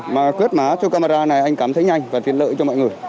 mà quét mã cho camera này anh cảm thấy nhanh và tiện lợi cho mọi người